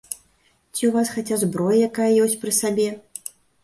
Ці ў вас хаця зброя якая ёсць пры сабе?